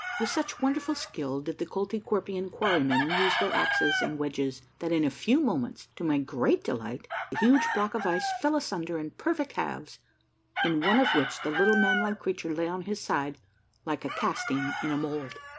With such wonderful skill did the Koltykwerpian quarry men use their axes and wedges that in a few moments, to my great delight, the huge block of ice fell asunder in perfect halves, in one of which the little manlike creature lay on his side like a casting in a mould.